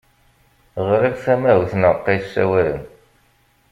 Ɣriɣ tamahut n uɛeqqa yessawalen.